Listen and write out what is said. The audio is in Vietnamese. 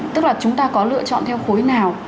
tức là chúng ta có lựa chọn theo khối nào